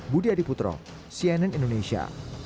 budi adiputro cnn indonesia